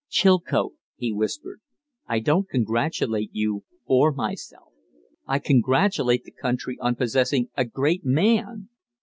"Chilcote," he whispered, "I don't congratulate you or myself. I congratulate the country on possessing a great man!"